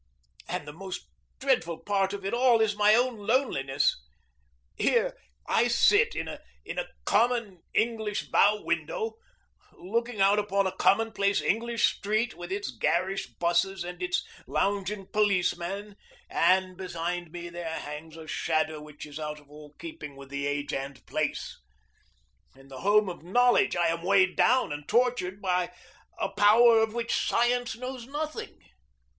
And the most dreadful part of it all is my own loneliness. Here I sit in a commonplace English bow window, looking out upon a commonplace English street with its garish 'buses and its lounging policeman, and behind me there hangs a shadow which is out of all keeping with the age and place. In the home of knowledge I am weighed down and tortured by a power of which science knows nothing.